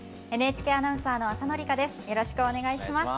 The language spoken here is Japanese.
ＮＨＫアナウンサーの浅野里香です。